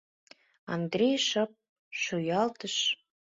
— Андрей шып шуялтыш.